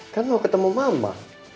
kan mau ketemu mama